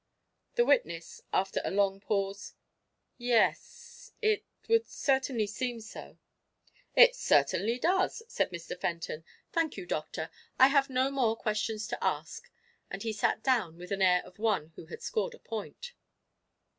The witness, after a long pause: "Yes, it would certainly seem so." "It certainly does," said Mr. Fenton. "Thank you, doctor. I have no more questions to ask." And he sat down with the air of one who has scored a point.